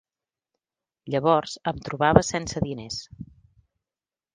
Llavors em trobava sense diners.